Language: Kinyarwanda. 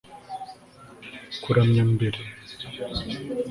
Kuramya mbere